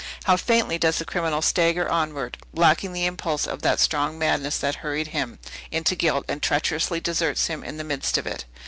How faintly does the criminal stagger onward, lacking the impulse of that strong madness that hurried him into guilt, and treacherously deserts him in the midst of it!